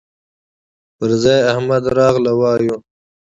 پر ځاى احمد راغلهووايو